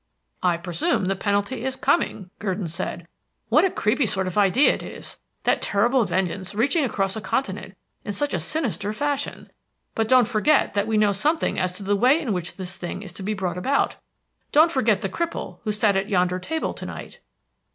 "I presume the penalty is coming," Gurdon said. "What a creepy sort of idea it is, that terrible vengeance reaching across a continent in such a sinister fashion. But don't forget that we know something as to the way in which this thing is to be brought about. Don't forget the cripple who sat at yonder table to night."